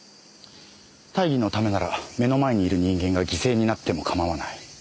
大義のためなら目の前にいる人間が犠牲になってもかまわない。